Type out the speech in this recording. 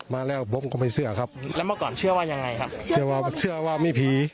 มาแล้วผมก็ไม่เชื่อครับแล้วเมื่อก่อนเชื่อว่ายังไงครับเชื่อว่าเชื่อว่ามีผี